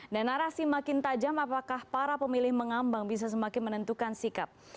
dan narasi makin tajam apakah para pemilih mengambang bisa semakin menentukan sikap